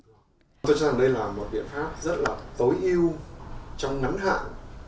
tôi cho rằng đây là một biện pháp rất là tối ưu trong ngắn hạn